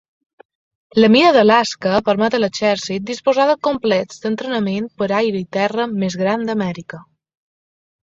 La mida d'Alaska permet a l'exèrcit disposar del complex d'entrenament per aire i terra més gran d'Amèrica.